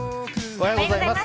おはようございます。